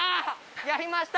やりました！